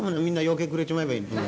うけくれちまえばいいんです」。